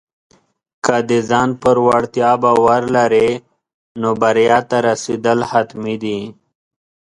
که د خپل ځان پر وړتیا باور لرې، نو بریا ته رسېدل حتمي دي.